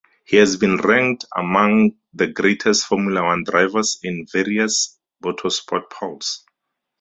He has been ranked among the greatest Formula One drivers in various motorsport polls.